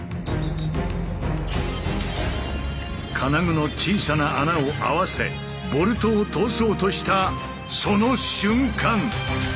金具の小さな穴を合わせボルトを通そうとしたその瞬間！